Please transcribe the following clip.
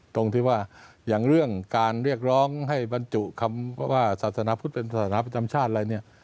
ตรงที่ว่าอย่างเรื่องการเรียกร้องให้บรรจุคำว่าศาสนาพุทธเป็นศาสนาประจำชาติอะไรเนี่ย